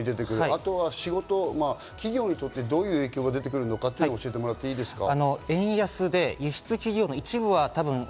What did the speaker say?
あとは企業にとってどういう影響が出てくるか教えてもらっていいですか？